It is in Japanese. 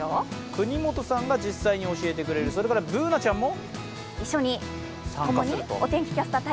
國本さんが実際に教えてくれる、それからＢｏｏｎａちゃんも一緒に参加すると。